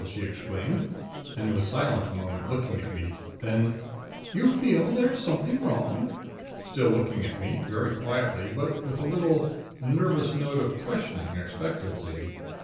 she exclaimed, and was silent a moment, looking at me. Then: 'You feel there's something wrong?' still looking at me, very quietly but with a little, nervous note of questioning expectancy.